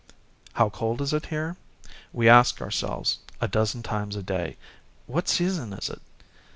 How cold is it here? We ask ourselves, a dozen times a day, " What season is it